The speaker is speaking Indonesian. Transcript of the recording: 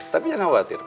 tapi jangan khawatir